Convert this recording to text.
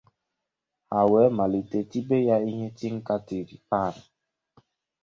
ha wee màlite tibe ha ihe tinka tiri paanụ